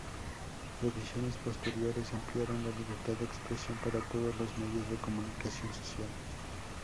Revisiones posteriores ampliaron la libertad de expresión para todos los medios de comunicación social.